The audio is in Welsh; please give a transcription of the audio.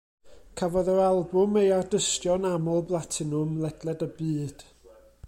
Cafodd yr albwm ei ardystio'n aml blatinwm ledled y byd.